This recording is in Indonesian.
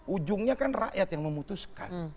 ujungnya kan rakyat yang memutuskan